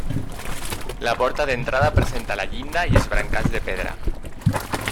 La porta d'entrada presenta la llinda i els brancals de pedra.